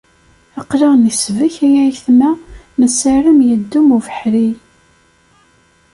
Aql-aɣ nesbek ay ayetma, nessaram yeddem ubeḥri.